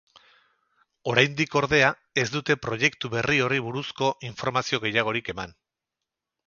Oraindik, ordea, ez dute proiektu berri horri buruzko informazio gehiagorik eman.